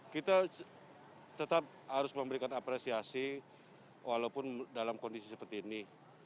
kita tetap harus memberikan apresiasi walaupun dalam kondisi seperti ini